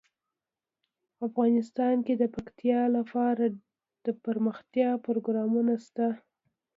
افغانستان کې د پکتیا لپاره دپرمختیا پروګرامونه شته.